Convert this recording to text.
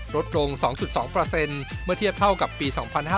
ลดลง๒๒เมื่อเทียบเท่ากับปี๒๕๕๙